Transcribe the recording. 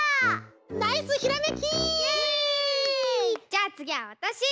じゃあつぎはわたし。